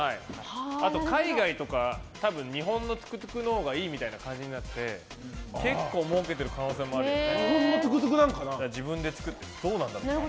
あと、海外とかでは日本のトゥクトゥクのほうがいいみたいな感じになって結構もうけてる可能性もあるよね。